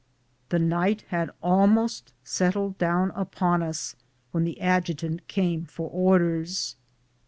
The night had almost settled down upon us when the adjutant came for orders.